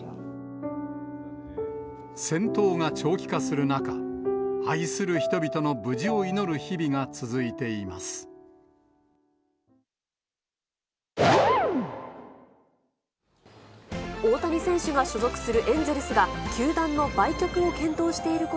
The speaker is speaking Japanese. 戦闘が長期化する中、愛する人々の無事を祈る日々が続いています。